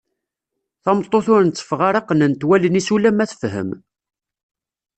Tameṭṭut ur nteffeɣ ara qqnent wallen-is ulamma tefhem.